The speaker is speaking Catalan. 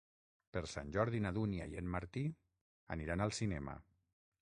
Per Sant Jordi na Dúnia i en Martí aniran al cinema.